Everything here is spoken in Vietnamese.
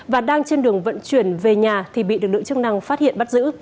và đang trên đường vận chuyển về nhà thì bị lực lượng chức năng phát hiện bắt giữ